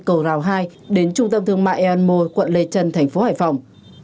cầu rào hai đến trung tâm thương mại e m quận lê trần tp hcm